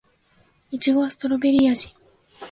いちごはストベリー味